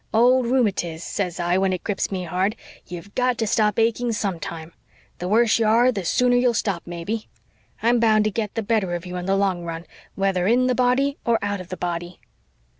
'Old rheumatiz,' says I, when it grips me hard, 'you've GOT to stop aching sometime. The worse you are the sooner you'll stop, mebbe. I'm bound to get the better of you in the long run, whether in the body or out of the body.'"